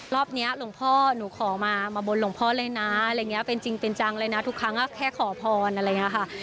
รอบนี้หลวงพ่อขอมาบนเลยนะเป็นจริงเป็นจังเลยนะทุกครั้งก็แค่ขอพรอะไรอย่างนี้ค่ะ